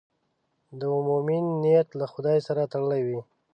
د مؤمن نیت له خدای سره تړلی وي.